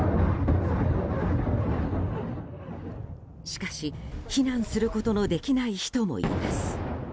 しかし、避難することのできない人もいます。